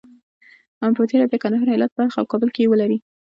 په تېره بیا کندهار، هرات، بلخ او کابل کې یې ولري.